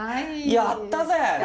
やったね！